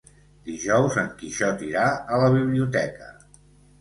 Dijous en Quixot irà a la biblioteca.